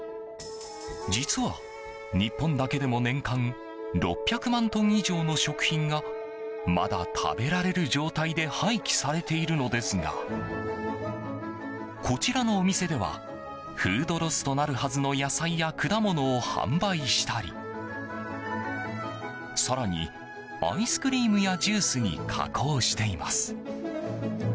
実は、日本だけでも年間６００万トン以上の食品がまだ食べられる状態で廃棄されているのですがこちらのお店ではフードロスとなるはずの野菜や果物を販売したり更に、アイスクリームやジュースに加工しています。